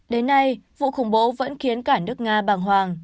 đến nay vụ khủng bố vẫn khiến cả nước nga bàng hoàng